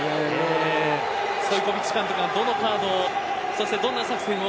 ストイコヴィッチ監督はどのカードをそして、どんな作戦を。